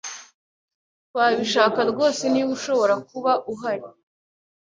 Twabishaka rwose niba ushobora kuba uhari.